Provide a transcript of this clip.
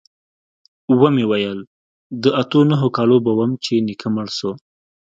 ومې ويل د اتو نهو کالو به وم چې نيکه مړ سو.